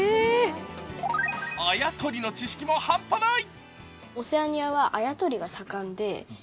あやとりの知識もハンパない。